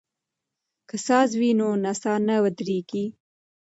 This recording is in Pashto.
که ساز وي نو نڅا نه ودریږي.